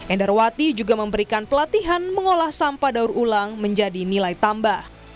endarwati juga memberikan pelatihan mengolah sampah daur ulang menjadi nilai tambah